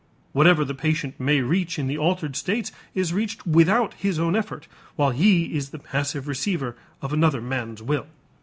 Whatever the patient may reach in the altered states is reached without his own effort, while he is the passive receiver of the other man's will.